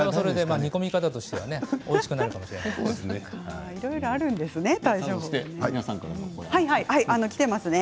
煮込み方としてはおいしくなるかもしれないですね。